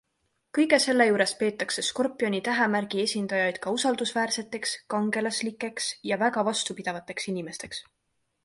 Kõige selle juures peetakse Skorpioni tähemärgi esindajaid ka usaldusväärseteks, kangelaslikeks ja väga vastupidavateks inimesteks.